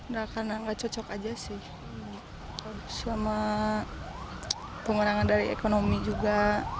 saya tidak mencukupi saja selama pengurangan dari ekonomi juga